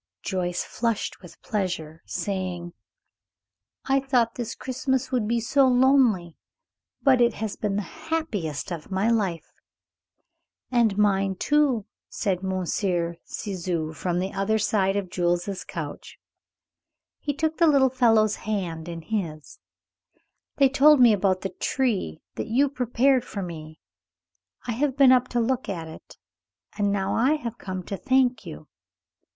Joyce flushed with pleasure, saying, "I thought this Christmas would be so lonely; but it has been the happiest of my life." [Illustration: "HE TOOK THE LITTLE FELLOW'S HAND IN HIS."] "And mine, too," said Monsieur Ciseaux from the other side of Jules's couch. He took the little fellow's hand in his. "They told me about the tree that you prepared for me. I have been up to look at it, and now I have come to thank you."